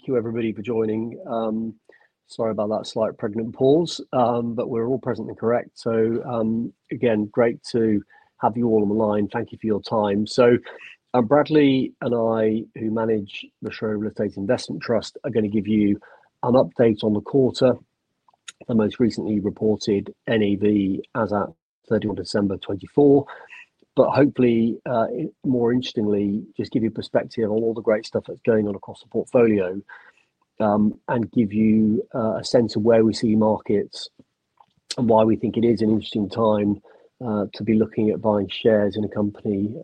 Thank you, everybody, for joining. Sorry about that slight pregnant pause, but we're all present and correct. Great to have you all on the line. Thank you for your time. Bradley and I, who manage the Schroder Real Estate Investment Trust, are going to give you an update on the quarter, the most recently reported NAV as of 31st December 2024. Hopefully, more interestingly, just give you perspective on all the great stuff that's going on across the portfolio and give you a sense of where we see markets and why we think it is an interesting time to be looking at buying shares in a company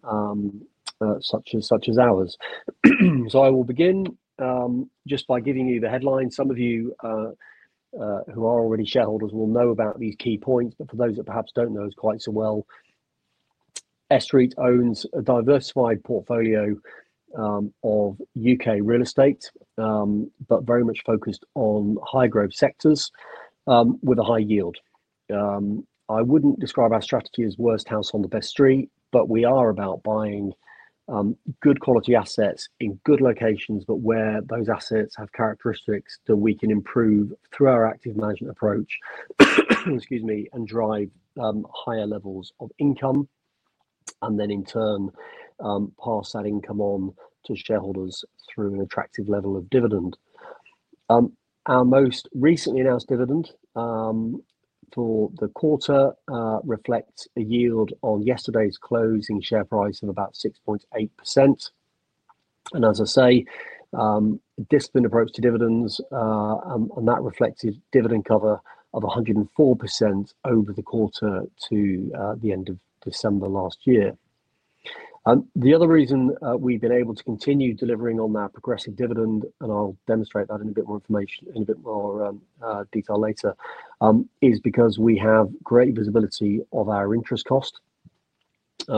such as ours. I will begin just by giving you the headlines. Some of you who are already shareholders will know about these key points, but for those that perhaps do not know as quite so well, Schroder Real Estate Investment Trust owns a diversified portfolio of U.K. real estate, but very much focused on high-growth sectors with a high yield. I would not describe our strategy as worst house on the best street, but we are about buying good quality assets in good locations, but where those assets have characteristics that we can improve through our active management approach, excuse me, and drive higher levels of income, and then in turn pass that income on to shareholders through an attractive level of dividend. Our most recently announced dividend for the quarter reflects a yield on yesterday's closing share price of about 6.8%. As I say, a disciplined approach to dividends, and that reflects a dividend cover of 104% over the quarter to the end of December last year. The other reason we've been able to continue delivering on that progressive dividend, and I'll demonstrate that in a bit more information, in a bit more detail later, is because we have great visibility of our interest cost.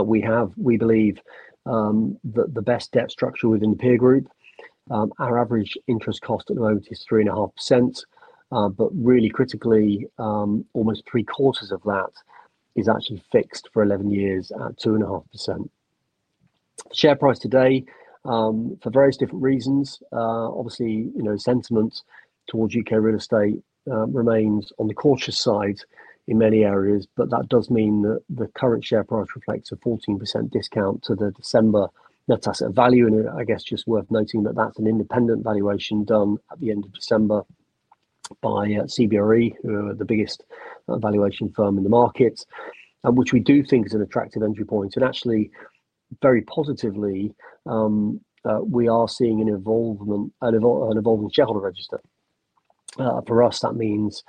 We have, we believe, the best debt structure within the peer group. Our average interest cost at the moment is 3.5%, but really critically, almost three-quarters of that is actually fixed for 11 years at 2.5%. Share price today, for various different reasons, obviously, sentiment towards U.K. real estate remains on the cautious side in many areas, but that does mean that the current share price reflects a 14% discount to the December net asset value. I guess just worth noting that that's an independent valuation done at the end of December by CBRE, the biggest valuation firm in the market, which we do think is an attractive entry point. Actually, very positively, we are seeing an evolving shareholder register. For us, that means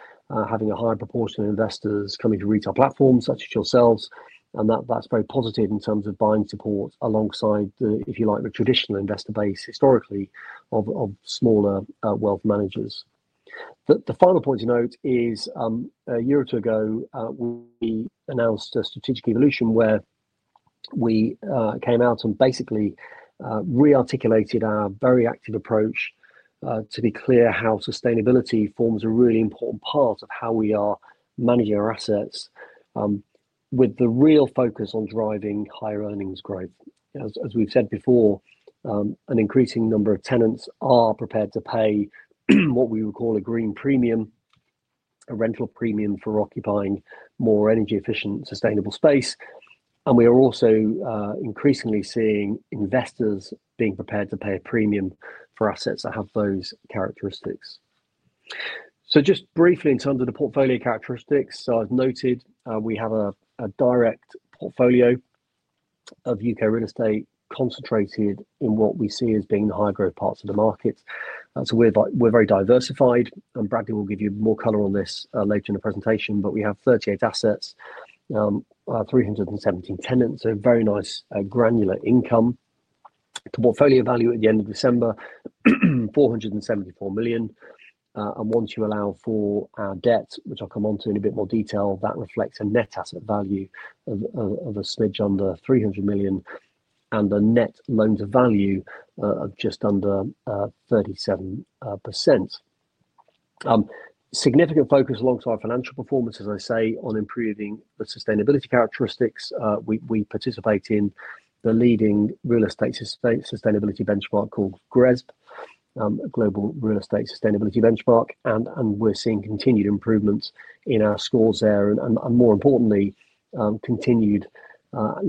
having a higher proportion of investors coming to retail platforms such as yourselves, and that's very positive in terms of buying support alongside the, if you like, the traditional investor base historically of smaller wealth managers. The final point to note is a year or two ago, we announced a strategic evolution where we came out and basically re-articulated our very active approach to be clear how sustainability forms a really important part of how we are managing our assets, with the real focus on driving higher earnings growth. As we've said before, an increasing number of tenants are prepared to pay what we would call a green premium, a rental premium for occupying more energy-efficient, sustainable space. We are also increasingly seeing investors being prepared to pay a premium for assets that have those characteristics. Just briefly in terms of the portfolio characteristics, I've noted we have a direct portfolio of U.K. real estate concentrated in what we see as being the high-growth parts of the market. We are very diversified, and Bradley will give you more color on this later in the presentation, but we have 38 assets, 317 tenants, so very nice granular income. To portfolio value at the end of December, 474 million. Once you allow for our debt, which I'll come on to in a bit more detail, that reflects a net asset value of a smidge under 300 million and a net loan to value of just under 37%. Significant focus alongside financial performance, as I say, on improving the sustainability characteristics. We participate in the leading real estate sustainability benchmark called GRESB, Global Real Estate Sustainability Benchmark, and we're seeing continued improvements in our scores there, and more importantly, continued high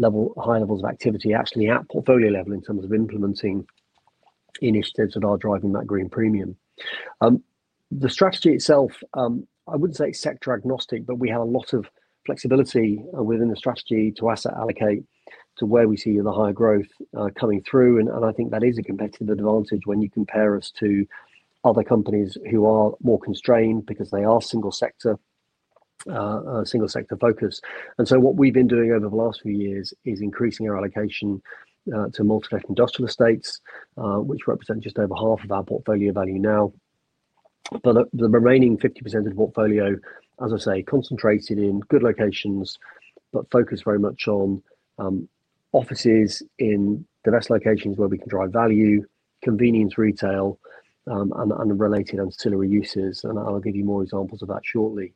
levels of activity actually at portfolio level in terms of implementing initiatives that are driving that green premium. The strategy itself, I wouldn't say sector agnostic, but we have a lot of flexibility within the strategy to asset allocate to where we see the higher growth coming through. I think that is a competitive advantage when you compare us to other companies who are more constrained because they are single sector, single sector focus. What we've been doing over the last few years is increasing our allocation to multi-let industrial estates, which represent just over half of our portfolio value now. The remaining 50% of the portfolio, as I say, is concentrated in good locations, but focused very much on offices in the best locations where we can drive value, convenience retail, and related ancillary uses. I'll give you more examples of that shortly.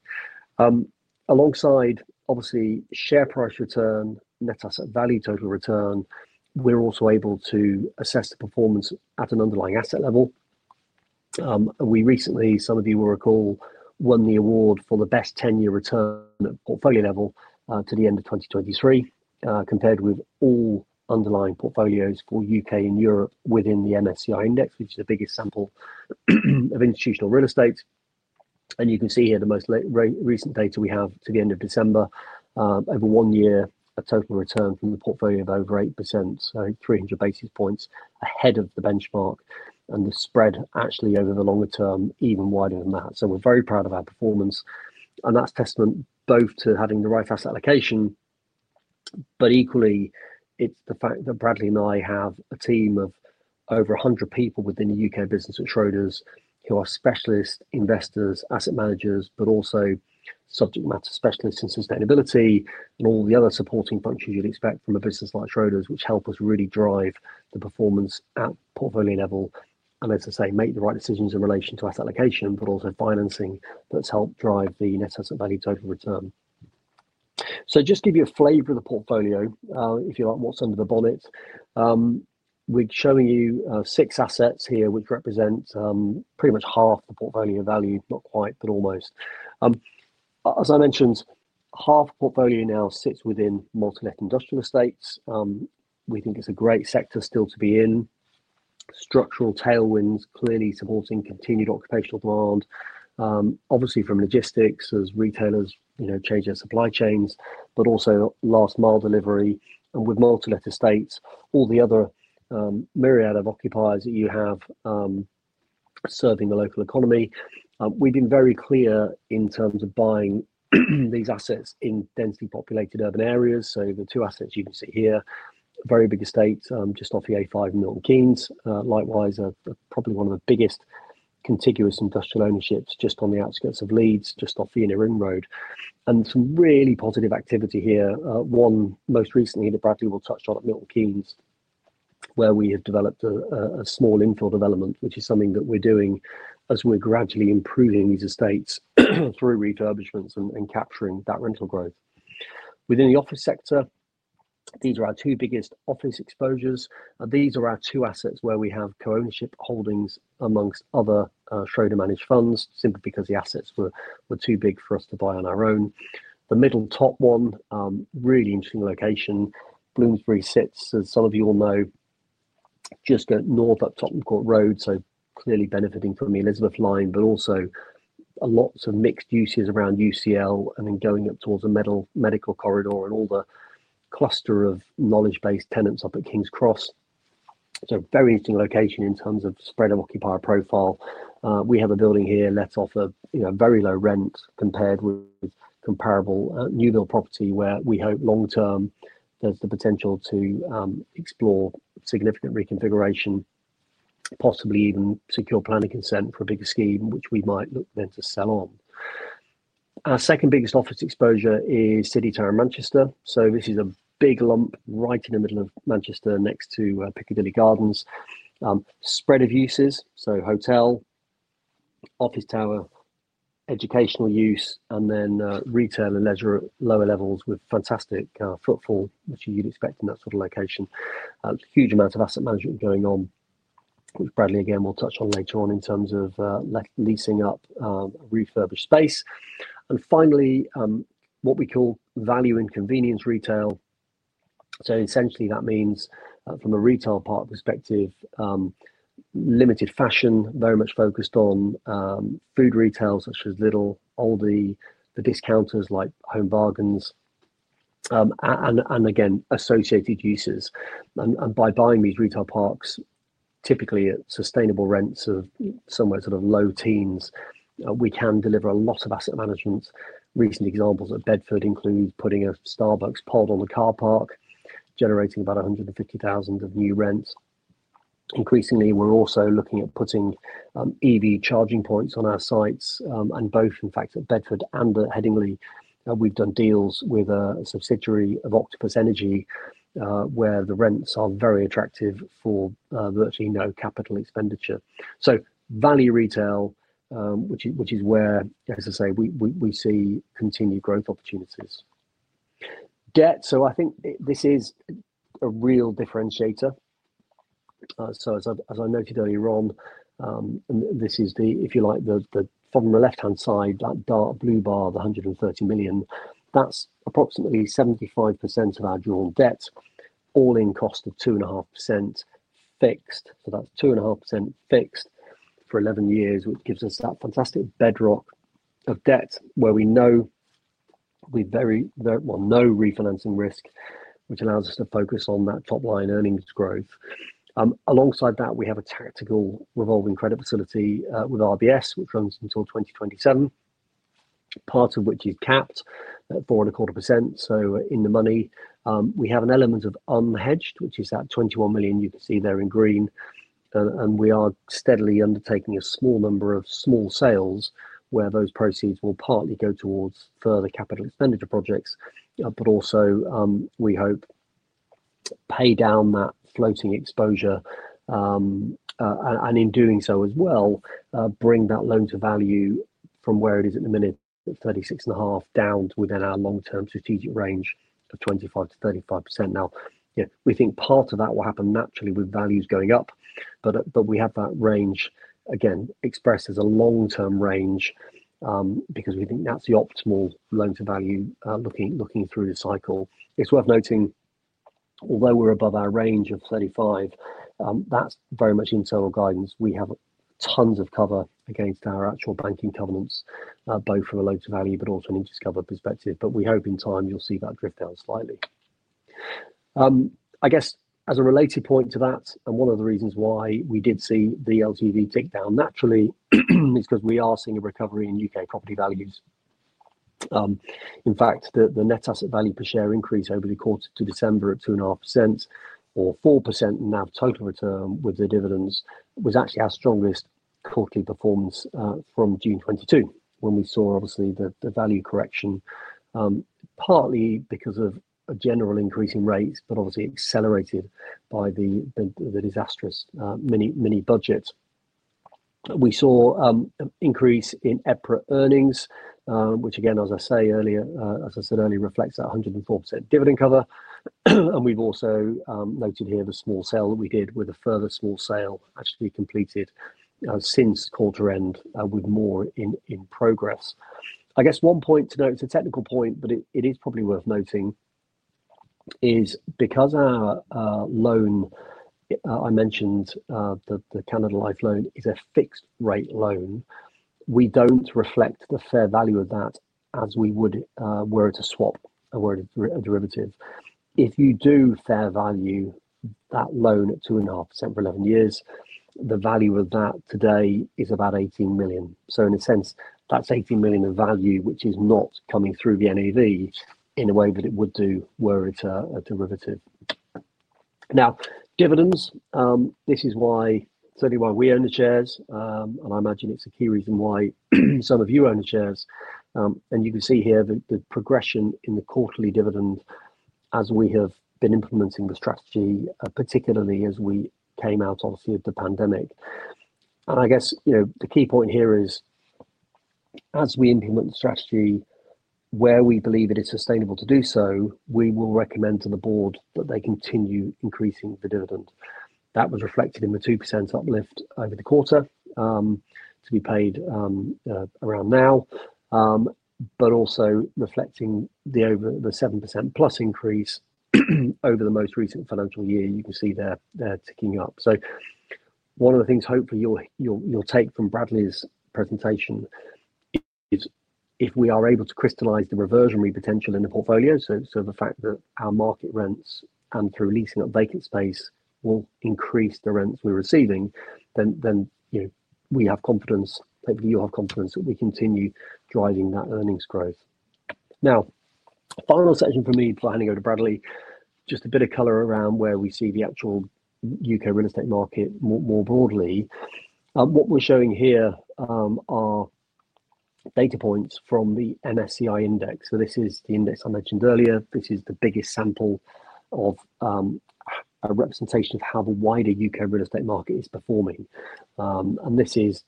Alongside, obviously, share price return, net asset value total return, we're also able to assess the performance at an underlying asset level. We recently, some of you will recall, won the award for the best 10-year return at portfolio level to the end of 2023, compared with all underlying portfolios for U.K. and Europe within the MSCI index, which is the biggest sample of institutional real estate. You can see here the most recent data we have to the end of December, over one year, a total return from the portfolio of over 8%, so 300 basis points ahead of the benchmark, and the spread actually over the longer term, even wider than that. We are very proud of our performance. That is testament both to having the right asset allocation, but equally, it is the fact that Bradley and I have a team of over 100 people within the U.K. business at Schroders who are specialist investors, asset managers, but also subject matter specialists in sustainability and all the other supporting functions you would expect from a business like Schroders, which help us really drive the performance at portfolio level and, as I say, make the right decisions in relation to asset allocation, but also financing that has helped drive the net asset value total return. Just to give you a flavor of the portfolio, if you like, what is under the bonnet. We are showing you six assets here, which represent pretty much half the portfolio value, not quite, but almost. As I mentioned, half the portfolio now sits within multi-let industrial estates. We think it is a great sector still to be in. Structural tailwinds clearly supporting continued occupational demand, obviously from logistics as retailers change their supply chains, but also last mile delivery. With multi-let estates, all the other myriad of occupiers that you have serving the local economy. We've been very clear in terms of buying these assets in densely populated urban areas. The two assets you can see here, very big estates just off the A5 in Milton Keynes. Likewise, probably one of the biggest contiguous industrial ownerships just on the outskirts of Leeds, just off the inner ring road. Some really positive activity here, one most recently that Bradley will touch on at Milton Keynes, where we have developed a small infill development, which is something that we're doing as we're gradually improving these estates through refurbishments and capturing that rental growth. Within the office sector, these are our two biggest office exposures. These are our two assets where we have co-ownership holdings amongst other Schroder managed funds, simply because the assets were too big for us to buy on our own. The middle top one, really interesting location, Bloomsbury sits, as some of you will know, just north of Tottenham Court Road, clearly benefiting from the Elizabeth Line, but also lots of mixed uses around UCL and then going up towards the medical corridor and all the cluster of knowledge-based tenants up at King's Cross. Very interesting location in terms of spread of occupier profile. We have a building here let off a very low rent compared with comparable new build property where we hope long term there is the potential to explore significant reconfiguration, possibly even secure planning consent for a bigger scheme, which we might look then to sell on. Our second biggest office exposure is City Tower Manchester. This is a big lump right in the middle of Manchester next to Piccadilly Gardens. Spread of uses, so hotel, office tower, educational use, and then retail and leisure at lower levels with fantastic footfall, which you'd expect in that sort of location. Huge amount of asset management going on, which Bradley, again, will touch on later on in terms of leasing up refurbished space. Finally, what we call value and convenience retail. Essentially that means from a retail park perspective, limited fashion, very much focused on food retail such as Lidl, Aldi, the discounters like Home Bargains, and again, associated uses. By buying these retail parks, typically at sustainable rents of somewhere sort of low teens, we can deliver a lot of asset management. Recent examples at Bedford include putting a Starbucks pod on the car park, generating about 150,000 of new rents. Increasingly, we're also looking at putting EV charging points on our sites. Both, in fact, at Bedford and at Headingley, we've done deals with a subsidiary of Octopus Energy where the rents are very attractive for virtually no capital expenditure. Value retail, which is where, as I say, we see continued growth opportunities. Debt, I think this is a real differentiator. As I noted earlier on, this is the, if you like, from the left-hand side, that dark blue bar, the 130 million, that's approximately 75% of our dual debt, all-in cost of 2.5% fixed. That's 2.5% fixed for 11 years, which gives us that fantastic bedrock of debt where we know we very well know refinancing risk, which allows us to focus on that top line earnings growth. Alongside that, we have a tactical revolving credit facility with RBS, which runs until 2027, part of which is capped at 4.25%. In the money, we have an element of unhedged, which is that 21 million, you can see there in green. We are steadily undertaking a small number of small sales where those proceeds will partly go towards further capital expenditure projects, but also we hope pay down that floating exposure and in doing so as well, bring that loan to value from where it is at the minute, 36.5%, down to within our long-term strategic range of 25%-35%. We think part of that will happen naturally with values going up, but we have that range, again, expressed as a long-term range because we think that is the optimal loan to value looking through the cycle. It's worth noting, although we're above our range of 35, that's very much internal guidance. We have tons of cover against our actual banking covenants, both from a loan to value, but also an interest cover perspective. We hope in time you'll see that drift down slightly. I guess as a related point to that, and one of the reasons why we did see the LTV tick down naturally is because we are seeing a recovery in U.K. property values. In fact, the net asset value per share increase over the quarter to December at 2.5% or 4% in NAV total return with the dividends was actually our strongest quarterly performance from June 2022, when we saw obviously the value correction, partly because of a general increase in rates, obviously accelerated by the disastrous mini budget. We saw an increase in EPRA earnings, which again, as I said earlier, reflects that 104% dividend cover. We have also noted here the small sale that we did with a further small sale actually completed since quarter end with more in progress. I guess one point to note, it's a technical point, but it is probably worth noting is because our loan, I mentioned the Canada Life loan, is a fixed rate loan, we do not reflect the fair value of that as we would were it a swap or a derivative. If you do fair value that loan at 2.5% for 11 years, the value of that today is about 18 million. In a sense, that is 18 million of value, which is not coming through the NAV in a way that it would do were it a derivative. Now, dividends, this is certainly why we own the shares, and I imagine it's a key reason why some of you own the shares. You can see here the progression in the quarterly dividend as we have been implementing the strategy, particularly as we came out obviously of the pandemic. I guess the key point here is as we implement the strategy where we believe it is sustainable to do so, we will recommend to the board that they continue increasing the dividend. That was reflected in the 2% uplift over the quarter to be paid around now, but also reflecting the 7%+ increase over the most recent financial year. You can see they're ticking up. One of the things hopefully you'll take from Bradley's presentation is if we are able to crystallize the reversionary potential in the portfolio, the fact that our market rents and through leasing up vacant space will increase the rents we're receiving, then we have confidence, hopefully you'll have confidence that we continue driving that earnings growth. Now, final section for me before I hand over to Bradley, just a bit of color around where we see the actual U.K. real estate market more broadly. What we're showing here are data points from the MSCI index. This is the index I mentioned earlier. This is the biggest sample of a representation of how the wider U.K. real estate market is performing. This is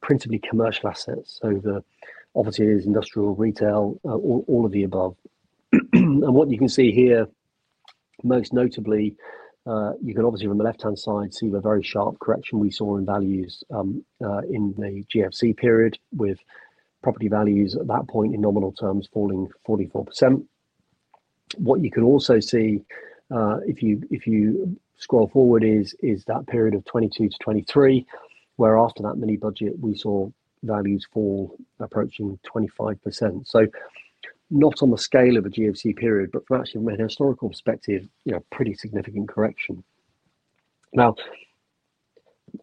principally commercial assets. Obviously there's industrial, retail, all of the above. What you can see here, most notably, you can obviously from the left-hand side see the very sharp correction we saw in values in the GFC period with property values at that point in nominal terms falling 44%. What you can also see if you scroll forward is that period of 2022 to 2023, where after that mini budget we saw values fall approaching 25%. Not on the scale of a GFC period, but actually from a historical perspective, pretty significant correction. Now,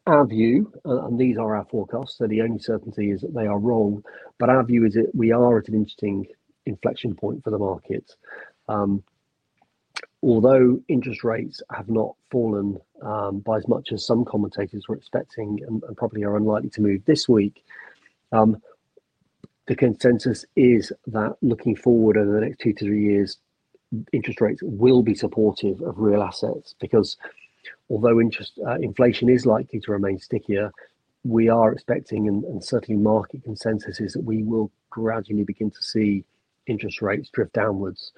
our view, and these are our forecasts, so the only certainty is that they are wrong, but our view is that we are at an interesting inflection point for the markets. Although interest rates have not fallen by as much as some commentators were expecting and probably are unlikely to move this week, the consensus is that looking forward over the next two to three years, interest rates will be supportive of real assets because although inflation is likely to remain stickier, we are expecting and certainly market consensus is that we will gradually begin to see interest rates drift downwards.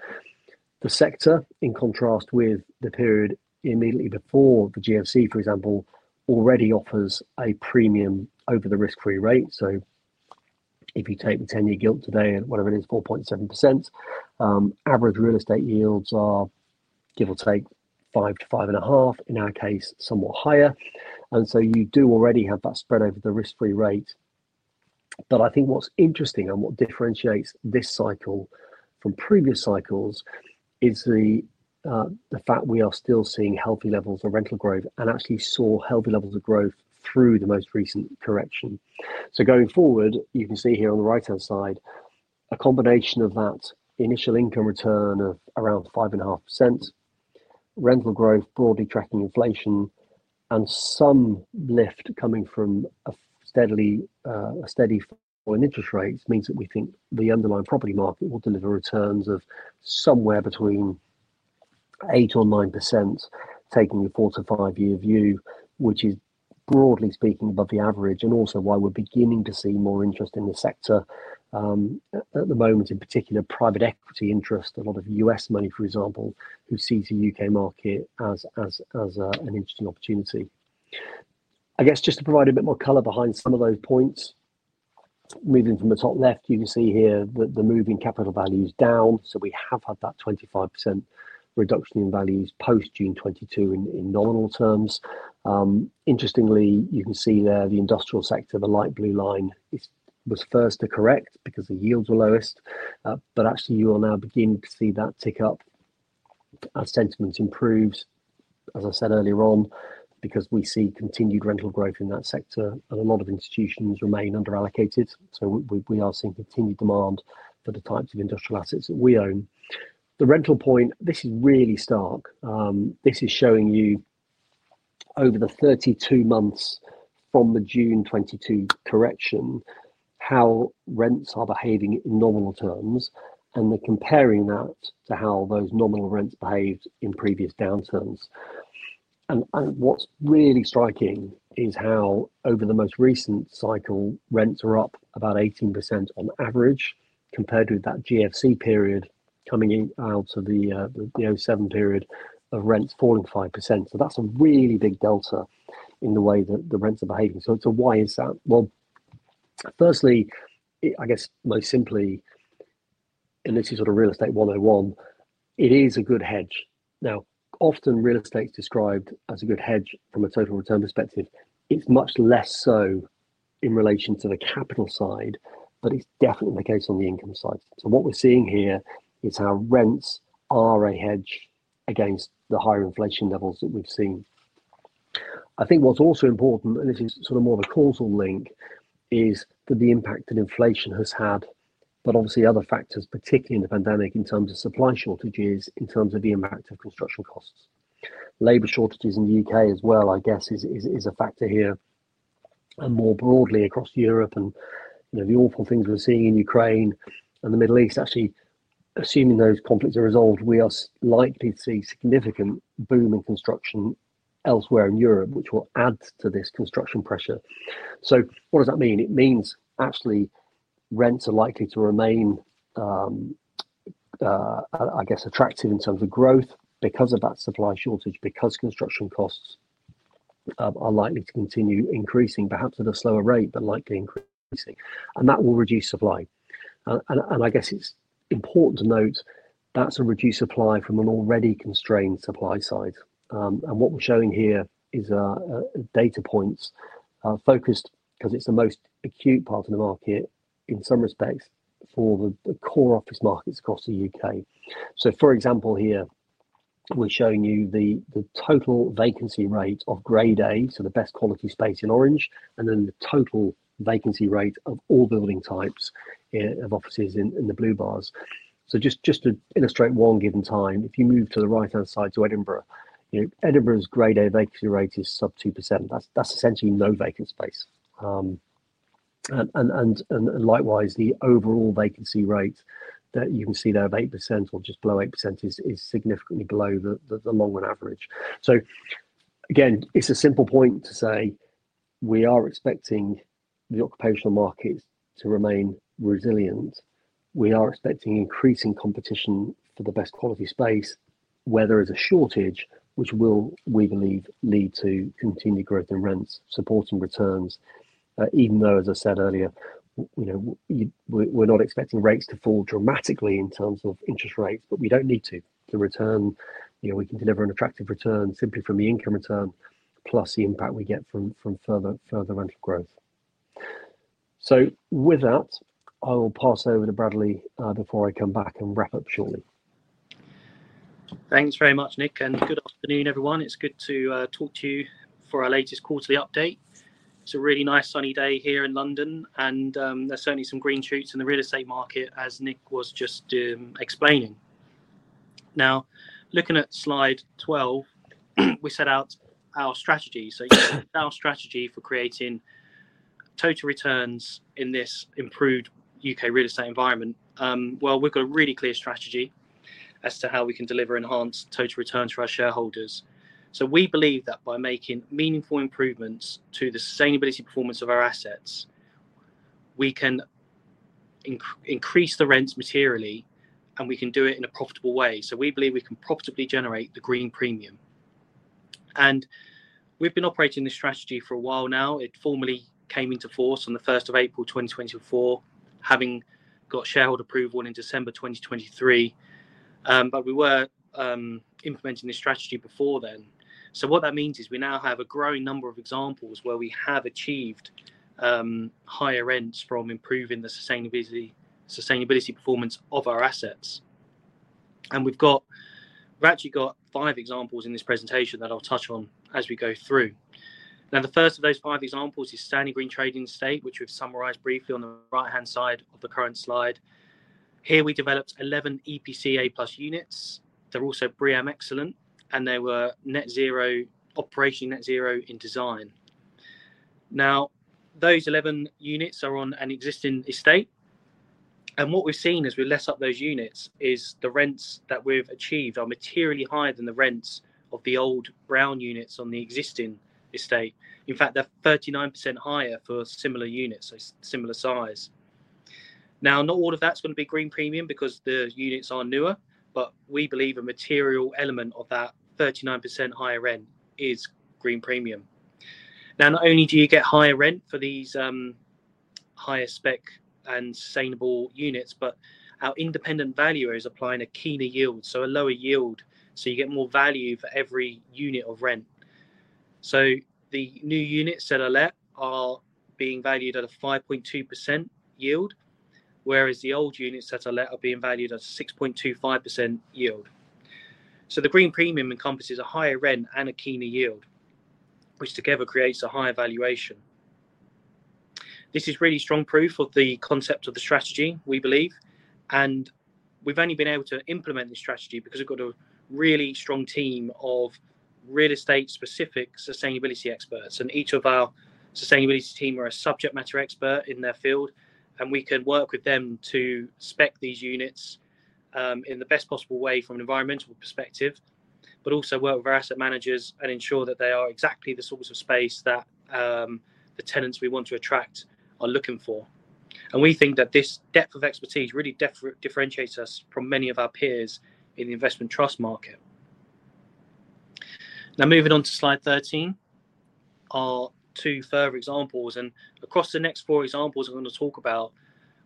The sector, in contrast with the period immediately before the GFC, for example, already offers a premium over the risk-free rate. If you take the 10-year gilt today, whatever it is, 4.7%, average real estate yields are give or take 5%-5.5%, in our case, somewhat higher. You do already have that spread over the risk-free rate. I think what is interesting and what differentiates this cycle from previous cycles is the fact we are still seeing healthy levels of rental growth and actually saw healthy levels of growth through the most recent correction. Going forward, you can see here on the right-hand side, a combination of that initial income return of around 5.5%, rental growth broadly tracking inflation, and some lift coming from a steady fall in interest rates means that we think the underlying property market will deliver returns of somewhere between 8%-9%, taking the four to five-year view, which is broadly speaking above the average and also why we are beginning to see more interest in the sector at the moment, in particular private equity interest, a lot of U.S. money, for example, who sees the U.K. market as an interesting opportunity. I guess just to provide a bit more color behind some of those points, moving from the top left, you can see here that the moving capital value is down. We have had that 25% reduction in values post June 2022 in nominal terms. Interestingly, you can see there the industrial sector, the light blue line was first to correct because the yields were lowest, but actually you will now begin to see that tick up as sentiment improves, as I said earlier on, because we see continued rental growth in that sector and a lot of institutions remain underallocated. We are seeing continued demand for the types of industrial assets that we own. The rental point, this is really stark. This is showing you over the 32 months from the June 2022 correction, how rents are behaving in nominal terms and comparing that to how those nominal rents behaved in previous downturns. What is really striking is how over the most recent cycle, rents are up about 18% on average compared with that GFC period coming out of the 2007 period of rents falling 5%. That is a really big delta in the way that the rents are behaving. Why is that? Firstly, I guess most simply, and this is sort of real estate 101, it is a good hedge. Now, often real estate is described as a good hedge from a total return perspective. It is much less so in relation to the capital side, but it is definitely the case on the income side. What we're seeing here is how rents are a hedge against the higher inflation levels that we've seen. I think what's also important, and this is sort of more of a causal link, is that the impact that inflation has had, but obviously other factors, particularly in the pandemic in terms of supply shortages, in terms of the impact of construction costs. Labour shortages in the U.K. as well, I guess, is a factor here. More broadly across Europe and the awful things we're seeing in Ukraine and the Middle East, actually assuming those conflicts are resolved, we are likely to see significant boom in construction elsewhere in Europe, which will add to this construction pressure. What does that mean? It means actually rents are likely to remain, I guess, attractive in terms of growth because of that supply shortage, because construction costs are likely to continue increasing, perhaps at a slower rate, but likely increasing. That will reduce supply. I guess it's important to note that's a reduced supply from an already constrained supply side. What we're showing here is data points focused because it's the most acute part of the market in some respects for the core office markets across the U.K. For example, here, we're showing you the total vacancy rate of Grade A, so the best quality space in orange, and then the total vacancy rate of all building types of offices in the blue bars. Just to illustrate one given time, if you move to the right-hand side to Edinburgh, Edinburgh's Grade A vacancy rate is sub 2%. That's essentially no vacant space. Likewise, the overall vacancy rate that you can see there of 8% or just below 8% is significantly below the long run average. Again, it's a simple point to say we are expecting the occupational markets to remain resilient. We are expecting increasing competition for the best quality space, whether as a shortage, which will, we believe, lead to continued growth in rents, supporting returns, even though, as I said earlier, we're not expecting rates to fall dramatically in terms of interest rates, but we don't need to. The return, we can deliver an attractive return simply from the income return plus the impact we get from further rental growth. With that, I will pass over to Bradley before I come back and wrap up shortly. Thanks very much, Nick. Good afternoon, everyone. It's good to talk to you for our latest quarterly update. It's a really nice sunny day here in London, and there's certainly some green shoots in the real estate market, as Nick was just explaining. Now, looking at slide 12, we set out our strategy. Our strategy for creating total returns in this improved U.K. real estate environment, we've got a really clear strategy as to how we can deliver enhanced total returns for our shareholders. We believe that by making meaningful improvements to the sustainability performance of our assets, we can increase the rents materially, and we can do it in a profitable way. We believe we can profitably generate the green premium. We've been operating this strategy for a while now. It formally came into force on the 1st of April 2024, having got shareholder approval in December 2023, but we were implementing this strategy before then. What that means is we now have a growing number of examples where we have achieved higher rents from improving the sustainability performance of our assets. We've actually got five examples in this presentation that I'll touch on as we go through. The first of those five examples is Stanley Green Trading Estate, which we've summarized briefly on the right-hand side of the current slide. Here we developed 11 EPC A+ units. They're also BREEAM Excellent, and they were net zero, operation net zero in design. Those 11 units are on an existing estate. What we've seen as we lease up those units is the rents that we've achieved are materially higher than the rents of the old brown units on the existing estate. In fact, they're 39% higher for similar units, so similar size. Now, not all of that's going to be green premium because the units are newer, but we believe a material element of that 39% higher rent is green premium. Not only do you get higher rent for these higher spec and sustainable units, but our independent valuer is applying a keener yield, so a lower yield. You get more value for every unit of rent. The new units that are let are being valued at a 5.2% yield, whereas the old units that are let are being valued at a 6.25% yield. The green premium encompasses a higher rent and a keener yield, which together creates a higher valuation. This is really strong proof of the concept of the strategy, we believe. We have only been able to implement this strategy because we have a really strong team of real estate-specific sustainability experts. Each of our sustainability team are a subject matter expert in their field. We can work with them to spec these units in the best possible way from an environmental perspective, but also work with our asset managers and ensure that they are exactly the sorts of space that the tenants we want to attract are looking for. We think that this depth of expertise really differentiates us from many of our peers in the investment trust market. Now, moving on to slide 13, our two further examples. Across the next four examples I'm going to talk about,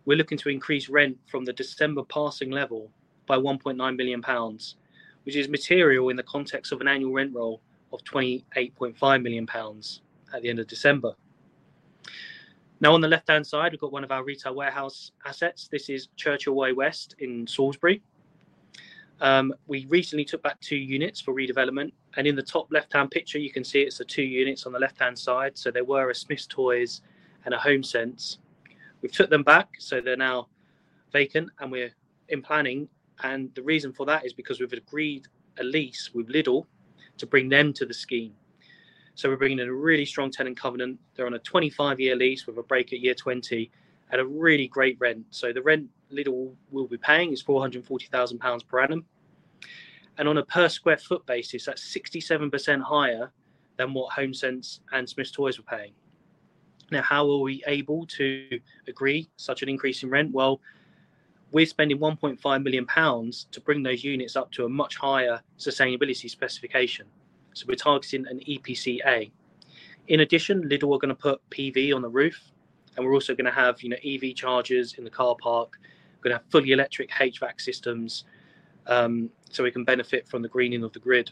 we're looking to increase rent from the December passing level by 1.9 million pounds, which is material in the context of an annual rent roll of 28.5 million pounds at the end of December. Now, on the left-hand side, we've got one of our retail warehouse assets. This is Churchill Way West in Salisbury. We recently took back two units for redevelopment. In the top left-hand picture, you can see it's the two units on the left-hand side. There were a Smyths Toys and a HomeSense. We've took them back, so they're now vacant, and we're in planning. The reason for that is because we've agreed a lease with Lidl to bring them to the scheme. We're bringing in a really strong tenant covenant. They're on a 25-year lease with a break at year 20 at a really great rent. The rent Lidl will be paying is 440,000 pounds per annum. On a per sq ft basis, that's 67% higher than what HomeSense and Smyths Toys were paying. How are we able to agree such an increase in rent? We're spending 1.5 million pounds to bring those units up to a much higher sustainability specification. We're targeting an EPC A. In addition, Lidl are going to put PV on the roof, and we're also going to have EV chargers in the car park. We're going to have fully electric HVAC systems so we can benefit from the greening of the grid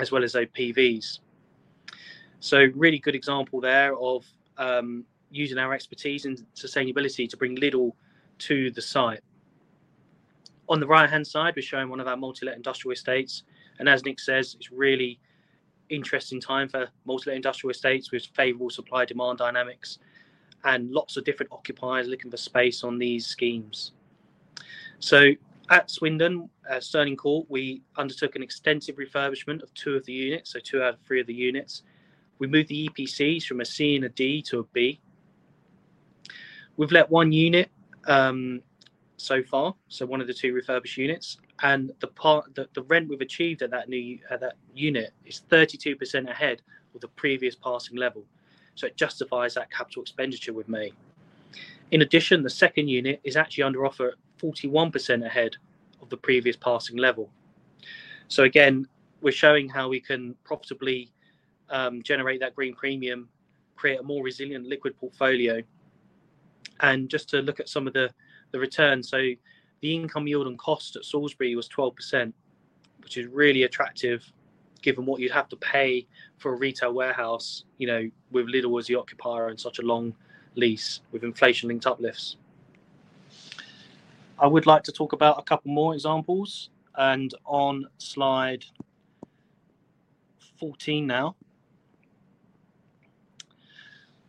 as well as those PVs. A really good example there of using our expertise in sustainability to bring Lidl to the site. On the right-hand side, we're showing one of our multi-let industrial estates. As Nick says, it's a really interesting time for multi-let industrial estates with favorable supply-demand dynamics and lots of different occupiers looking for space on these schemes. At Swindon, at Stirling Court, we undertook an extensive refurbishment of two of the units, two out of three of the units. We moved the EPCs from a C and a D to a B. We've let one unit so far, one of the two refurbished units. The rent we've achieved at that unit is 32% ahead of the previous passing level. It justifies that capital expenditure we've made. In addition, the second unit is actually under offer at 41% ahead of the previous passing level. Again, we're showing how we can profitably generate that green premium, create a more resilient liquid portfolio. Just to look at some of the returns, the income yield on cost at Salisbury was 12%, which is really attractive given what you'd have to pay for a retail warehouse with Lidl as the occupier and such a long lease with inflation-linked uplifts. I would like to talk about a couple more examples. On slide 14 now,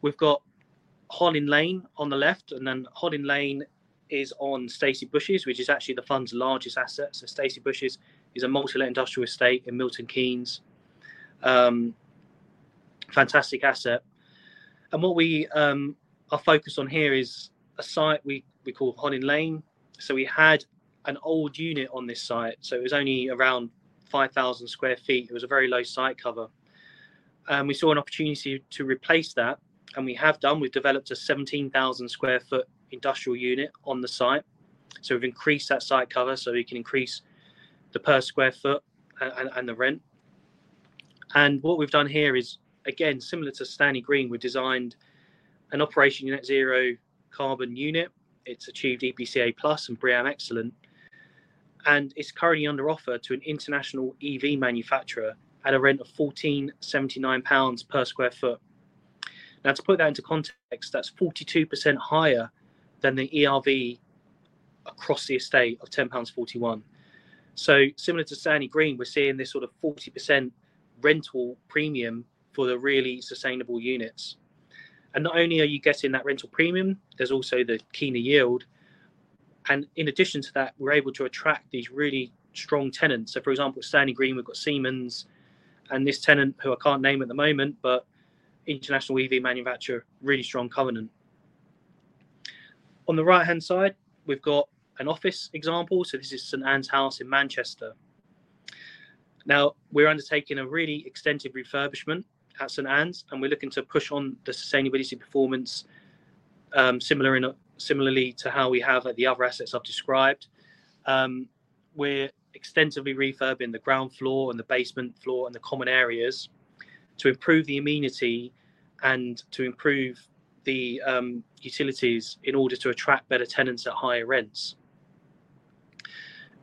we've got Holland Lane on the left. Holland Lane is on Stacey Bushes, which is actually the fund's largest asset. Stacy Bushes is a multi-let industrial estate in Milton Keynes. Fantastic asset. What we are focused on here is a site we call Holland Lane. We had an old unit on this site. It was only around 5,000 sq ft. It was a very low site cover. We saw an opportunity to replace that, and we have done. We've developed a 17,000 sq ft industrial unit on the site. So we've increased that site cover so we can increase the per sq ft and the rent. And what we've done here is, again, similar to Stanley Green, we designed an operation net zero carbon unit. It's achieved EPC A+ and BREEAM Excellent. And it's currently under offer to an international EV manufacturer at a rent of 14.79 pounds per sq ft. Now, to put that into context, that's 42% higher than the ERV across the estate of 10.41 pounds. So similar to Stanley Green, we're seeing this sort of 40% rental premium for the really sustainable units. And not only are you getting that rental premium, there's also the keener yield. And in addition to that, we're able to attract these really strong tenants. For example, Stanley Green, we've got Siemens and this tenant who I can't name at the moment, but international EV manufacturer, really strong covenant. On the right-hand side, we've got an office example. This is St Ann's House in Manchester. Now, we're undertaking a really extensive refurbishment at St. Anne's, and we're looking to push on the sustainability performance similarly to how we have at the other assets I've described. We're extensively refurbishing the ground floor and the basement floor and the common areas to improve the amenity and to improve the utilities in order to attract better tenants at higher rents.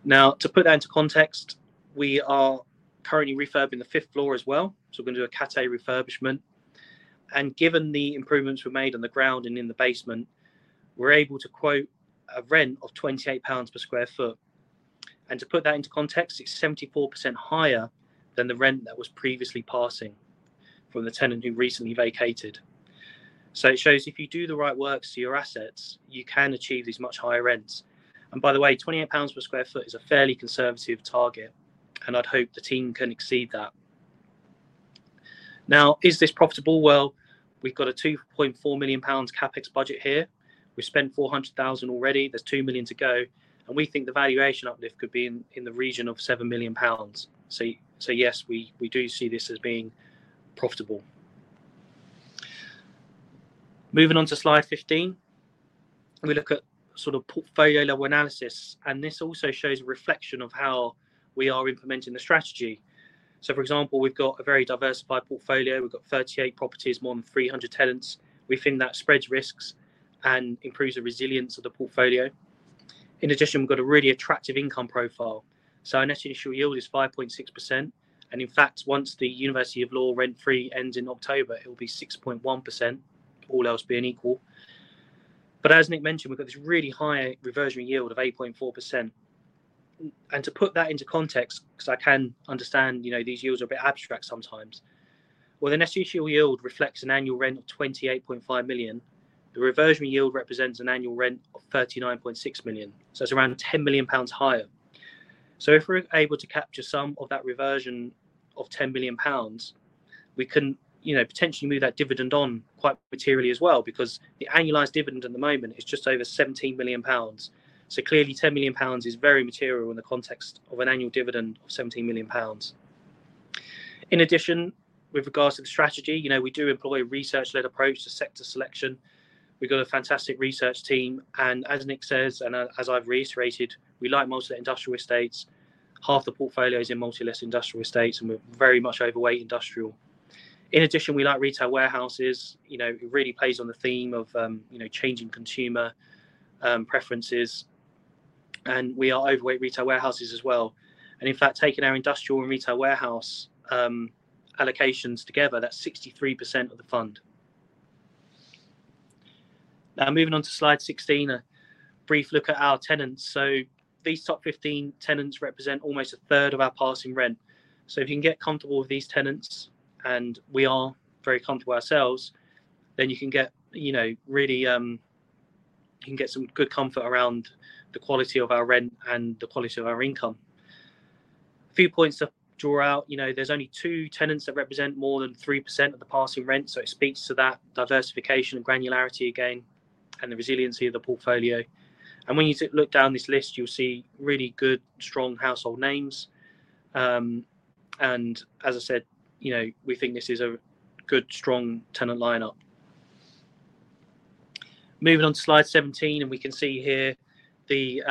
To put that into context, we are currently refurbishing the fifth floor as well. We're going to do a Cat A refurbishment. Given the improvements we've made on the ground and in the basement, we're able to quote a rent of 28 pounds per sq ft. To put that into context, it's 74% higher than the rent that was previously passing from the tenant who recently vacated. It shows if you do the right works to your assets, you can achieve these much higher rents. By the way, 28 pounds per sq ft is a fairly conservative target, and I'd hope the team can exceed that. Is this profitable? We've got a 2.4 million pounds capex budget here. We've spent 400,000 already. There's 2 million to go. We think the valuation uplift could be in the region of 7 million pounds. Yes, we do see this as being profitable. Moving on to slide 15, we look at sort of portfolio level analysis. This also shows a reflection of how we are implementing the strategy. For example, we've got a very diversified portfolio. We've got 38 properties, more than 300 tenants. We think that spreads risks and improves the resilience of the portfolio. In addition, we've got a really attractive income profile. Our net initial yield is 5.6%. In fact, once the University of Law rent-free ends in October, it will be 6.1%, all else being equal. As Nick mentioned, we've got this really high reversion yield of 8.4%. To put that into context, because I can understand these yields are a bit abstract sometimes, the net initial yield reflects an annual rent of 28.5 million. The reversion yield represents an annual rent of 39.6 million. It is around 10 million pounds higher. If we're able to capture some of that reversion of 10 million pounds, we can potentially move that dividend on quite materially as well, because the annualized dividend at the moment is just over 17 million pounds. Clearly, 10 million pounds is very material in the context of an annual dividend of 17 million pounds. In addition, with regards to the strategy, we do employ a research-led approach to sector selection. We've got a fantastic research team. As Nick says, and as I've reiterated, we like multi-let industrial estates. Half the portfolio is in multi-let industrial estates, and we're very much overweight industrial. In addition, we like retail warehouses. It really plays on the theme of changing consumer preferences. We are overweight retail warehouses as well. In fact, taking our industrial and retail warehouse allocations together, that's 63% of the fund. Now, moving on to slide 16, a brief look at our tenants. These top 15 tenants represent almost a third of our passing rent. If you can get comfortable with these tenants, and we are very comfortable ourselves, then you can get really, you can get some good comfort around the quality of our rent and the quality of our income. A few points to draw out. There are only two tenants that represent more than 3% of the passing rent. It speaks to that diversification and granularity again and the resiliency of the portfolio. When you look down this list, you'll see really good, strong household names. As I said, we think this is a good, strong tenant lineup. Moving on to slide 17, we can see here the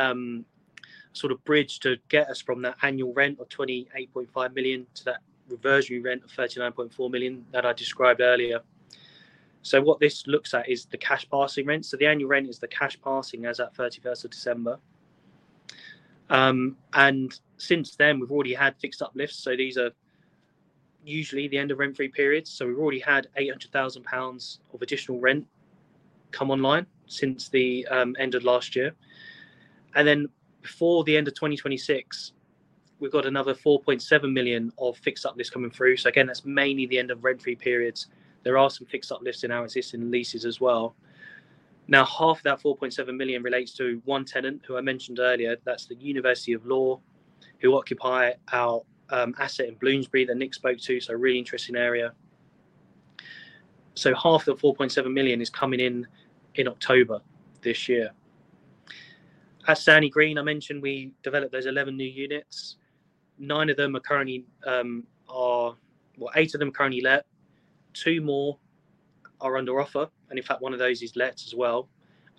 sort of bridge to get us from that annual rent of 28.5 million to that reversion rent of 39.4 million that I described earlier. What this looks at is the cash passing rent. The annual rent is the cash passing as of 31st of December. Since then, we have already had fixed uplifts. These are usually the end of rent-free periods. We have already had 800,000 pounds of additional rent come online since the end of last year. Before the end of 2026, we have another 4.7 million of fixed uplifts coming through. That is mainly the end of rent-free periods. There are some fixed uplifts in our existing leases as well. Now, half of that 4.7 million relates to one tenant who I mentioned earlier. That's the University of Law who occupy our asset in Bloomsbury that Nick spoke to. A really interesting area. Half of the 4.7 million is coming in in October this year. At Stanley Green I mentioned, we developed those 11 new units. Nine of them are currently, well, eight of them are currently let. Two more are under offer. In fact, one of those is let as well.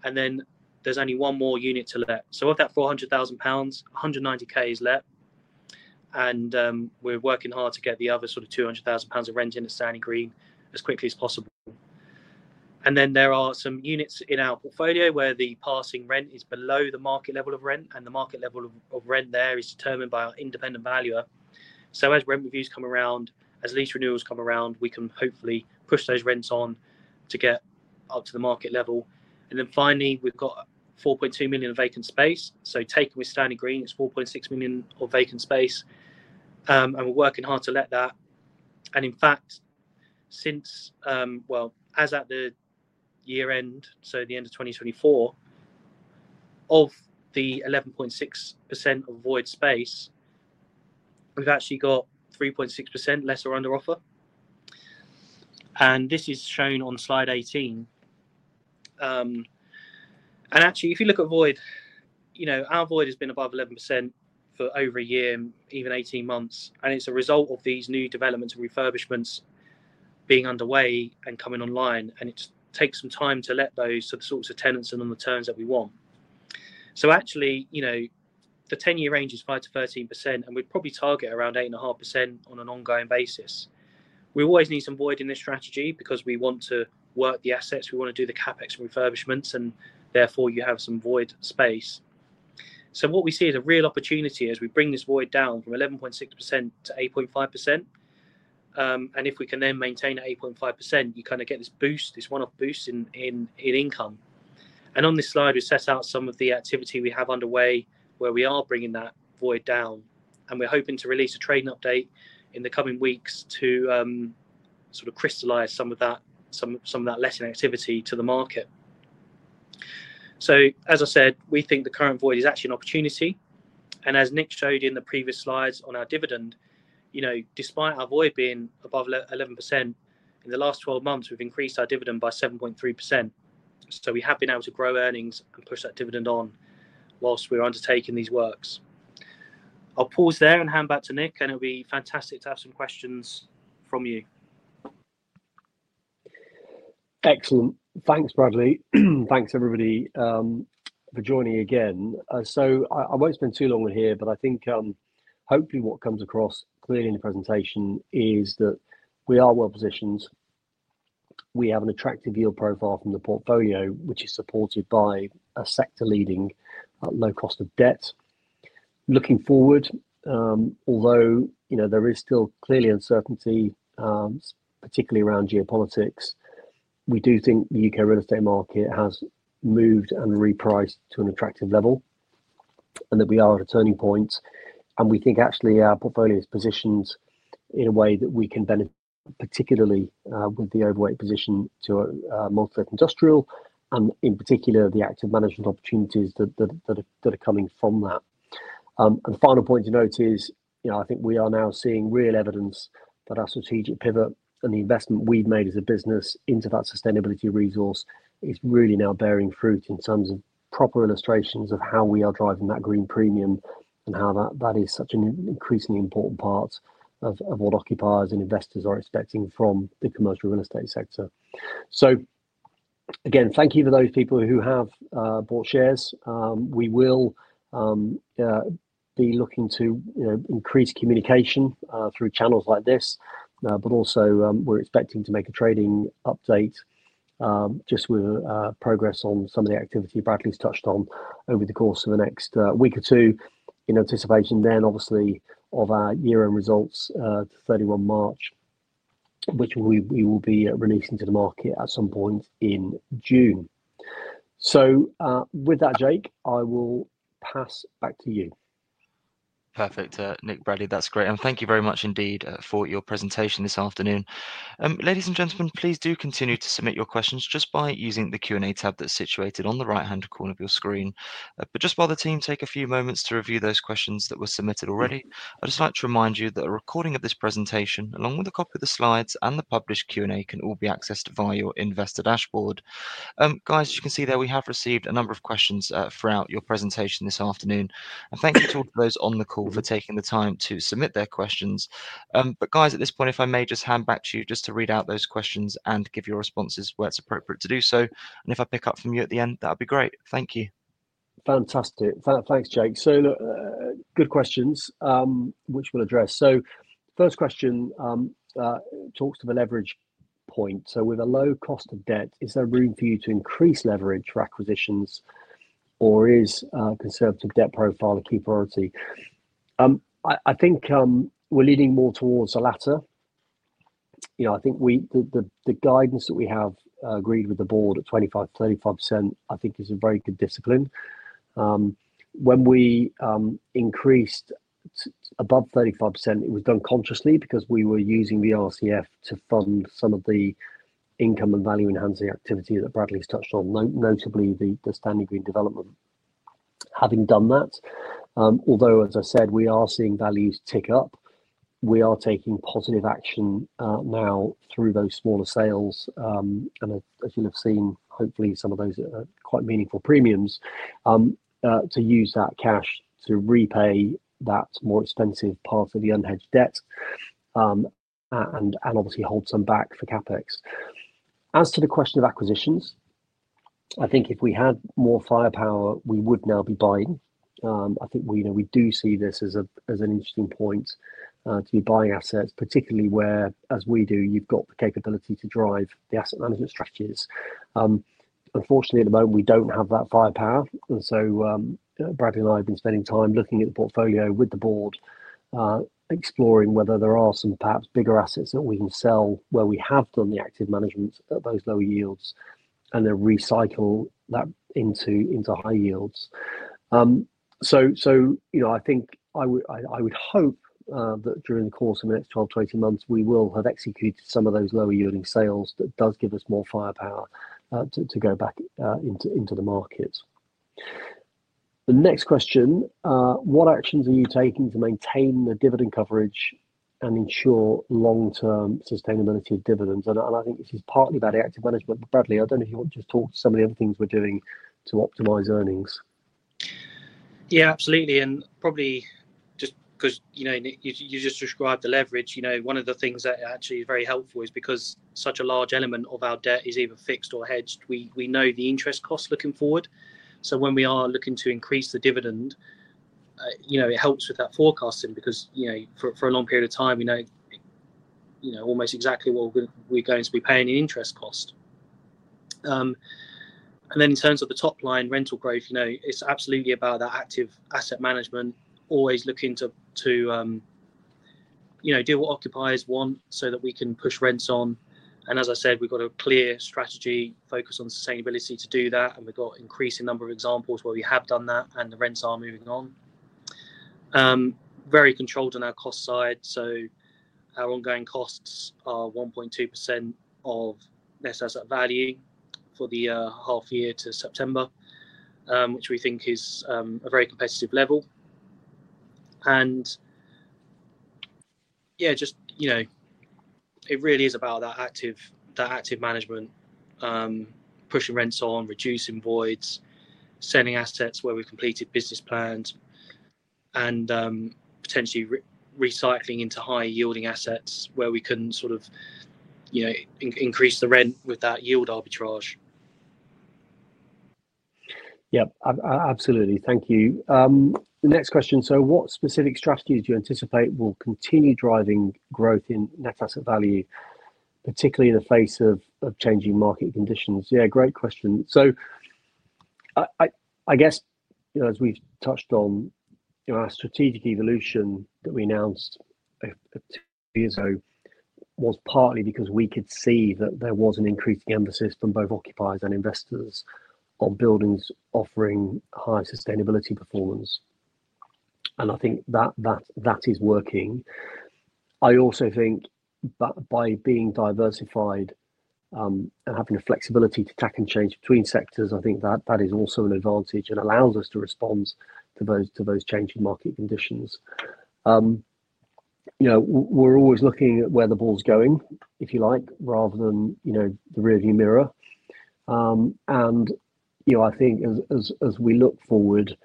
There is only one more unit to let. Of that 400,000 pounds, 190,000 is let. We're working hard to get the other sort of 200,000 pounds of rent into Stanley Green as quickly as possible. There are some units in our portfolio where the passing rent is below the market level of rent. The market level of rent there is determined by our independent valuer. As rent reviews come around, as lease renewals come around, we can hopefully push those rents on to get up to the market level. Finally, we have 4.2 million of vacant space. Taken with Stanley Green, it is 4.6 million of vacant space. We are working hard to let that. In fact, as at the year end, so the end of 2024, of the 11.6% of void space, we have actually got 3.6% lesser under offer. This is shown on slide 18. Actually, if you look at void, our void has been above 11% for over a year, even 18 months. It is a result of these new developments and refurbishments being underway and coming online. It takes some time to let those sorts of tenants in on the terms that we want. Actually, the 10-year range is 5%-13%, and we'd probably target around 8.5% on an ongoing basis. We always need some void in this strategy because we want to work the assets. We want to do the CapEx and refurbishments, and therefore you have some void space. What we see is a real opportunity as we bring this void down from 11.6%-8.5%. If we can then maintain at 8.5%, you kind of get this boost, this one-off boost in income. On this slide, we set out some of the activity we have underway where we are bringing that void down. We're hoping to release a trading update in the coming weeks to sort of crystallize some of that letting activity to the market. As I said, we think the current void is actually an opportunity. As Nick showed in the previous slides on our dividend, despite our void being above 11%, in the last 12 months, we've increased our dividend by 7.3%. We have been able to grow earnings and push that dividend on whilst we're undertaking these works. I'll pause there and hand back to Nick, and it'll be fantastic to have some questions from you. Excellent. Thanks, Bradley. Thanks, everybody, for joining again. I won't spend too long here, but I think hopefully what comes across clearly in the presentation is that we are well positioned. We have an attractive yield profile from the portfolio, which is supported by a sector-leading low cost of debt. Looking forward, although there is still clearly uncertainty, particularly around geopolitics, we do think the U.K. real estate market has moved and repriced to an attractive level and that we are at a turning point. We think actually our portfolio is positioned in a way that we can benefit, particularly with the overweight position to multi-let industrial and in particular the active management opportunities that are coming from that. The final point to note is I think we are now seeing real evidence that our strategic pivot and the investment we have made as a business into that sustainability resource is really now bearing fruit in terms of proper illustrations of how we are driving that green premium and how that is such an increasingly important part of what occupiers and investors are expecting from the commercial real estate sector. Again, thank you to those people who have bought shares. We will be looking to increase communication through channels like this, but also we're expecting to make a trading update just with progress on some of the activity Bradley's touched on over the course of the next week or two in anticipation then, obviously, of our year-end results to 31st March, which we will be releasing to the market at some point in June. With that, Jake, I will pass back to you. Perfect. Nick, Bradley, that's great. Thank you very much indeed for your presentation this afternoon. Ladies and gentlemen, please do continue to submit your questions just by using the Q&A tab that's situated on the right-hand corner of your screen. Just while the team take a few moments to review those questions that were submitted already, I'd just like to remind you that a recording of this presentation, along with a copy of the slides and the published Q&A, can all be accessed via your investor dashboard. Guys, as you can see there, we have received a number of questions throughout your presentation this afternoon. Thank you to all of those on the call for taking the time to submit their questions. At this point, if I may just hand back to you to read out those questions and give your responses where it's appropriate to do so. If I pick up from you at the end, that would be great. Thank you. Fantastic. Thanks, Jake. Good questions, which we'll address. The first question talks to the leverage point. With a low cost of debt, is there room for you to increase leverage for acquisitions, or is a conservative debt profile a key priority? I think we're leaning more towards the latter. I think the guidance that we have agreed with the board at 25%-35%, I think, is a very good discipline. When we increased above 35%, it was done consciously because we were using the RCF to fund some of the income and value-enhancing activity that Bradley's touched on, notably the Stanley Green development. Having done that, although, as I said, we are seeing values tick up, we are taking positive action now through those smaller sales. As you'll have seen, hopefully, some of those are quite meaningful premiums to use that cash to repay that more expensive part of the unhedged debt and obviously hold some back for capex. As to the question of acquisitions, I think if we had more firepower, we would now be buying. I think we do see this as an interesting point to be buying assets, particularly where, as we do, you've got the capability to drive the asset management strategies. Unfortunately, at the moment, we don't have that firepower. Bradley and I have been spending time looking at the portfolio with the board, exploring whether there are some perhaps bigger assets that we can sell where we have done the active management at those lower yields and then recycle that into high yields. I think I would hope that during the course of the next 12-18 months, we will have executed some of those lower yielding sales that does give us more firepower to go back into the markets. The next question, what actions are you taking to maintain the dividend coverage and ensure long-term sustainability of dividends? I think this is partly about the active management. Bradley, I do not know if you want to just talk to some of the other things we are doing to optimize earnings. Yeah, absolutely. Probably just because you just described the leverage, one of the things that actually is very helpful is because such a large element of our debt is either fixed or hedged, we know the interest cost looking forward. When we are looking to increase the dividend, it helps with that forecasting because for a long period of time, we know almost exactly what we are going to be paying in interest cost. In terms of the top-line rental growth, it's absolutely about that active asset management, always looking to do what occupiers want so that we can push rents on. As I said, we've got a clear strategy focused on sustainability to do that. We've got an increasing number of examples where we have done that and the rents are moving on. Very controlled on our cost side. Our ongoing costs are 1.2% of net asset value for the half year to September, which we think is a very competitive level. Yeah, just it really is about that active management, pushing rents on, reducing voids, sending assets where we've completed business plans, and potentially recycling into high-yielding assets where we can sort of increase the rent with that yield arbitrage. Yep. Absolutely. Thank you. The next question, so what specific strategies do you anticipate will continue driving growth in net asset value, particularly in the face of changing market conditions? Yeah, great question. I guess, as we've touched on, our strategic evolution that we announced two years ago was partly because we could see that there was an increasing emphasis from both occupiers and investors on buildings offering high sustainability performance. I think that is working. I also think by being diversified and having the flexibility to tack and change between sectors, I think that is also an advantage and allows us to respond to those changing market conditions. We're always looking at where the ball's going, if you like, rather than the rearview mirror. I think as we look forward,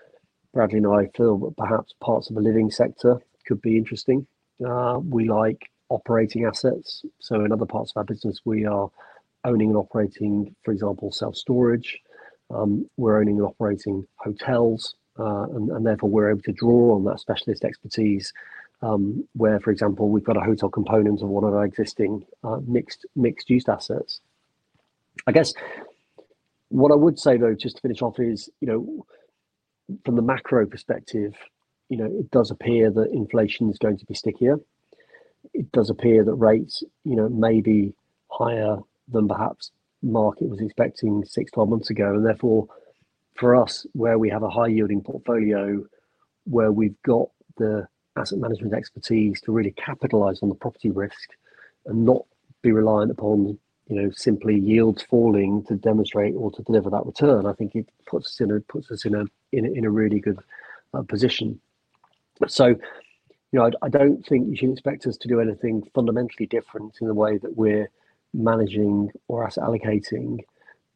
Bradley and I feel that perhaps parts of the living sector could be interesting. We like operating assets. In other parts of our business, we are owning and operating, for example, self-storage. We're owning and operating hotels. Therefore, we're able to draw on that specialist expertise where, for example, we've got a hotel component of one of our existing mixed-use assets. I guess what I would say, though, just to finish off is from the macro perspective, it does appear that inflation is going to be stickier. It does appear that rates may be higher than perhaps the market was expecting 6, 12 months ago. Therefore, for us, where we have a high-yielding portfolio, where we've got the asset management expertise to really capitalize on the property risk and not be reliant upon simply yields falling to demonstrate or to deliver that return, I think it puts us in a really good position. I don't think you should expect us to do anything fundamentally different in the way that we're managing or asset allocating.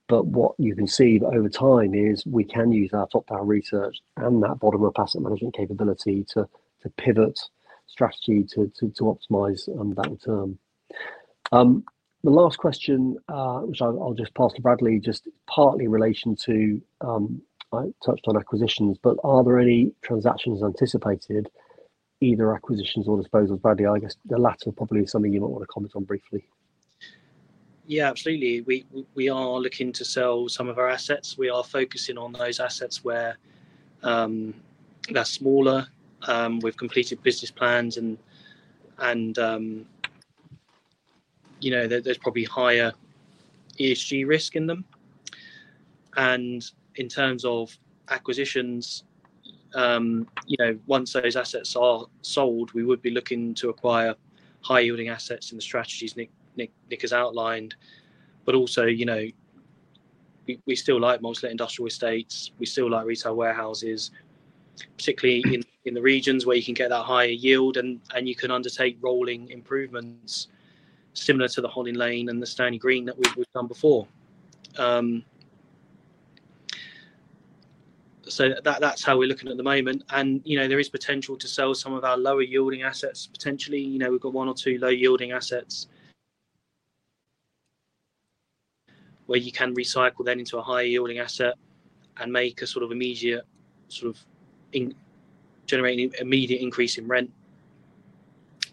What you can see over time is we can use our top-down research and that bottom-up asset management capability to pivot strategy to optimize that return. The last question, which I'll just pass to Bradley, just partly in relation to I touched on acquisitions, but are there any transactions anticipated, either acquisitions or disposals? Bradley, I guess the latter is probably something you might want to comment on briefly. Yeah, absolutely. We are looking to sell some of our assets. We are focusing on those assets where they're smaller. We've completed business plans, and there's probably higher ESG risk in them. In terms of acquisitions, once those assets are sold, we would be looking to acquire high-yielding assets in the strategies Nick has outlined. We still like mostly industrial estates. We still like retail warehouses, particularly in the regions where you can get that higher yield and you can undertake rolling improvements similar to the Holland Lane and the Stanley Green that we have done before. That is how we are looking at the moment. There is potential to sell some of our lower-yielding assets, potentially. We have got one or two low-yielding assets where you can recycle them into a high-yielding asset and make a sort of immediate generating immediate increase in rent,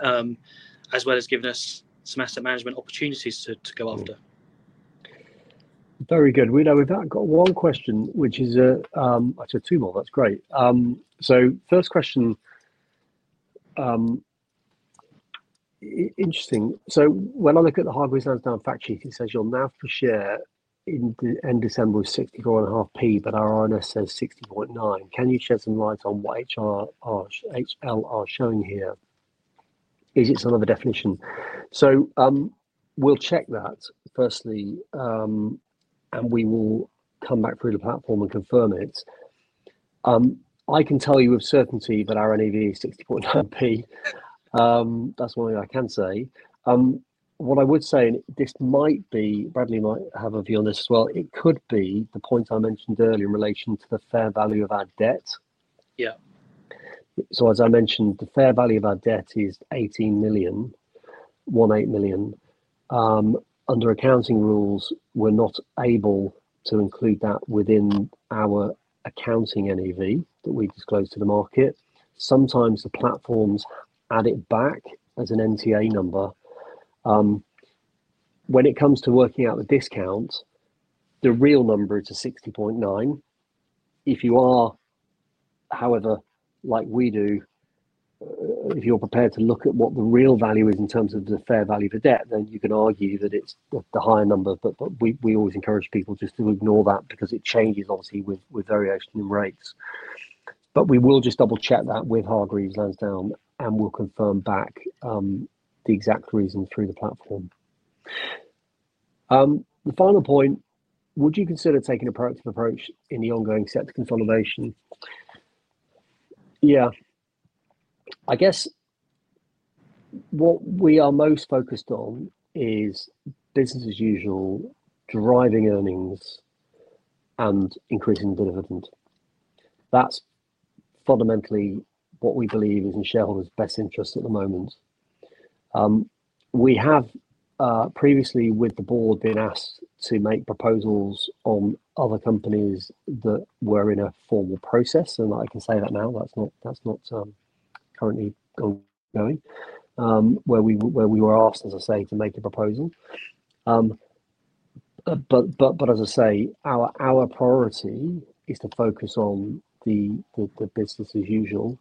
as well as giving us some asset management opportunities to go after. Very good. We have now got one question, which is actually two more. That is great. First question, interesting. When I look at the Hargreaves Lansdown fact sheet, it says your NAV per share in December was 0.645, but our RNS says 0.609. Can you shed some light on what HL are showing here? Is it some other definition? We will check that firstly, and we will come back through the platform and confirm it. I can tell you with certainty that our NAV is 64.9p. That is one thing I can say. What I would say, and this might be Bradley might have a view on this as well, it could be the point I mentioned earlier in relation to the fair value of our debt. As I mentioned, the fair value of our debt is 18 million, 18 million. Under accounting rules, we are not able to include that within our accounting NAV that we disclose to the market. Sometimes the platforms add it back as an NTA number. When it comes to working out the discount, the real number is 60.9. If you are, however, like we do, if you're prepared to look at what the real value is in terms of the fair value for debt, then you can argue that it's the higher number. We always encourage people just to ignore that because it changes, obviously, with very extreme rates. We will just double-check that with Hargreaves Lansdown, and we'll confirm back the exact reason through the platform. The final point, would you consider taking a proactive approach in the ongoing sector consolidation? Yeah. I guess what we are most focused on is business as usual, driving earnings, and increasing the dividend. That's fundamentally what we believe is in shareholders' best interest at the moment. We have previously, with the board, been asked to make proposals on other companies that were in a formal process. I can say that now. That's not currently going where we were asked, as I say, to make a proposal. As I say, our priority is to focus on the business as usual,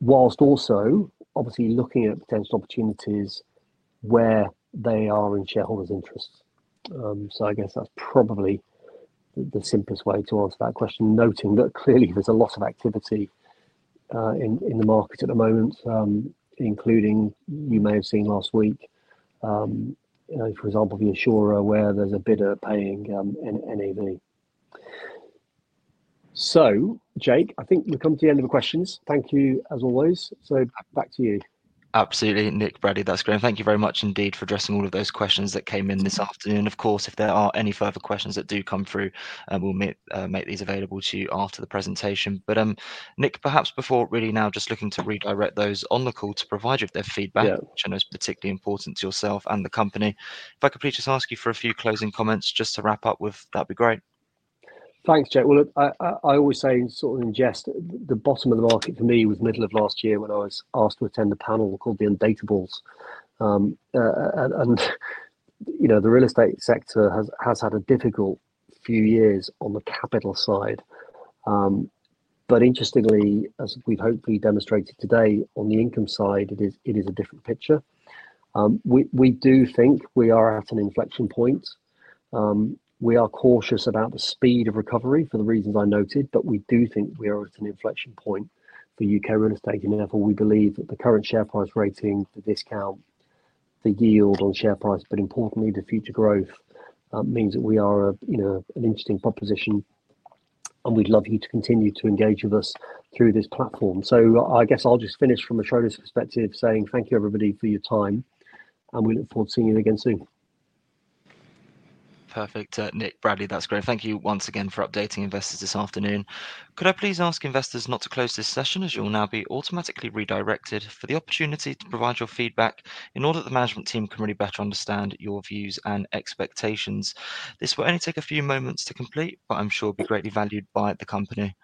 whilst also obviously looking at potential opportunities where they are in shareholders' interests. I guess that's probably the simplest way to answer that question, noting that clearly there's a lot of activity in the market at the moment, including you may have seen last week, for example, the Assura where there's a bidder paying NAV. Jake, I think we've come to the end of the questions. Thank you, as always. Back to you. Absolutely. Nick, Bradley, that's great. Thank you very much indeed for addressing all of those questions that came in this afternoon. Of course, if there are any further questions that do come through, we'll make these available to you after the presentation. Nick, perhaps before really now just looking to redirect those on the call to provide you with their feedback, which I know is particularly important to yourself and the company. If I could please just ask you for a few closing comments just to wrap up with, that would be great. Thanks, Jake. I always say sort of in jest the bottom of the market for me was middle of last year when I was asked to attend a panel called the Undatables. The real estate sector has had a difficult few years on the capital side. Interestingly, as we have hopefully demonstrated today, on the income side, it is a different picture. We do think we are at an inflection point. We are cautious about the speed of recovery for the reasons I noted, but we do think we are at an inflection point for U.K. real estate. Therefore, we believe that the current share price rating, the discount, the yield on share price, but importantly, the future growth means that we are an interesting proposition. We'd love you to continue to engage with us through this platform. I guess I'll just finish from a trader's perspective saying thank you, everybody, for your time. We look forward to seeing you again soon. Perfect. Nick, Bradley, that's great. Thank you once again for updating investors this afternoon. Could I please ask investors not to close this session as you'll now be automatically redirected for the opportunity to provide your feedback in order that the management team can really better understand your views and expectations? This will only take a few moments to complete, but I'm sure it'll be greatly valued by the company.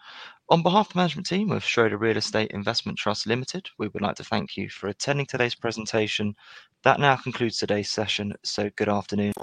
On behalf of the management team of Schroder Real Estate Investment Trust, we would like to thank you for attending today's presentation. That now concludes today's session. Good afternoon.